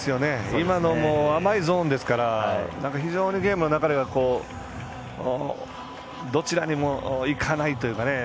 今のも甘いゾーンですから非常にゲームの流れがどちらにもいかないというか。